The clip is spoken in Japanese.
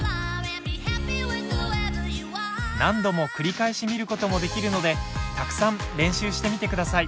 何度も繰り返し見ることもできるのでたくさん練習してみてください。